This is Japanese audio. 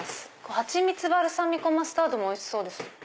「はちみつ・バルサミコマスタード」もおいしそうです。